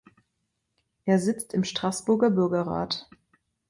Er sitzt im Straßburger Bürgerrat.